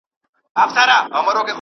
څوک د سفارتونو د تړلو پرېکړه کوي؟